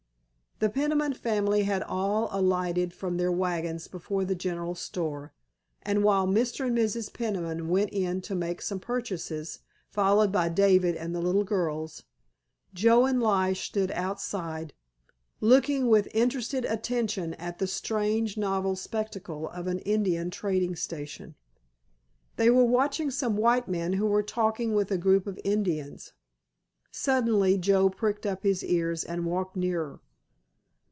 The Peniman family had all alighted from their wagons before the general store, and while Mr. and Mrs. Peniman went in to make some purchases, followed by David and the little girls, Joe and Lige stood outside, looking with interested attention at the strange, novel spectacle of an Indian trading station. They were watching some white men who were talking with a group of Indians. Suddenly Joe pricked up his ears and walked nearer.